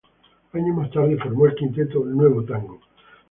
Años más tarde formó el quinteto Nuevo Tango.